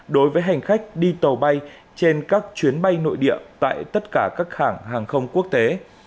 đối với hành khách đi tàu bay trên các chuyến bay nội địa tại tất cả các hàng hàng không quốc tế